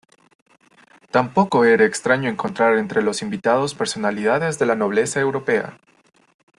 Tampoco era extraño encontrar entre los invitados personalidades de la nobleza europea.